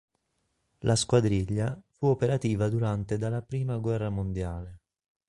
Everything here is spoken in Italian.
La squadriglia, fu operativa durante dalla prima guerra mondiale.